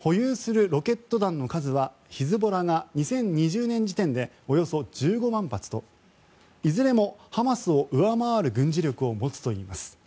保有するロケット弾の数はヒズボラが２０２０年時点でおよそ１５万発といずれもハマスを上回る軍事力を持つといいます。